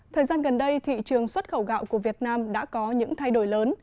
thời gian gần đây thị trường xuất khẩu gạo của việt nam đã có những thay đổi lớn